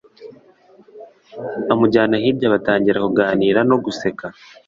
amujyana hirya batangira kuganira no guseka